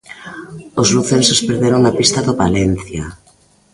Os lucenses perderon na pista do Palencia.